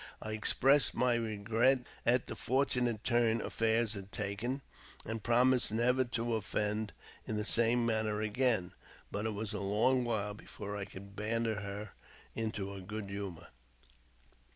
I expressed my regret at the fortunate turn affairs had taken, and promised never to offend in the same manner again ; but it was a long while before I could banter her into good humour.